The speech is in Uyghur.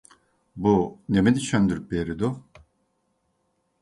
بۇ نېمىنى چۈشەندۈرۈپ بېرىدۇ؟